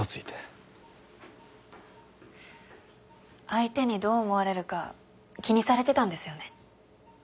相手にどう思われるか気にされてたんですよね。